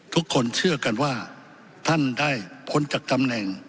ทุกคนเชื่อกันว่าท่านได้พ้นจากตำแหน่ง